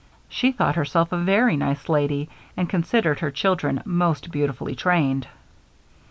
She thought herself a very nice lady; and considered her children most beautifully trained.